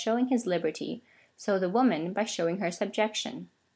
sliovving his liberty, so the woman, by showing her subjec tion.